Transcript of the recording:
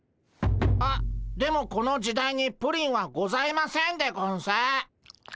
あっでもこの時代にプリンはございませんでゴンス。